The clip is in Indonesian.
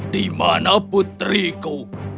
di mana putriku